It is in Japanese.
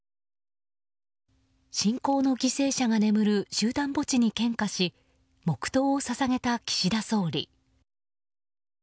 信仰の犠牲者が眠る集団墓地に献花し黙祷を捧げた岸田総理。